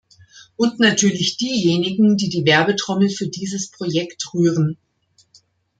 Und natürlich diejenigen, die die Werbetrommel für dieses Projekt rühren.